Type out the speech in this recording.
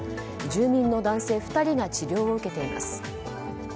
住民の男性２人が治療を受けています。